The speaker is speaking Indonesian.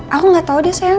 aku gak tau deh saya